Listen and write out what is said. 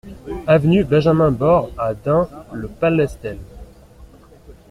Avenue Benjamin Bord à Dun-le-Palestel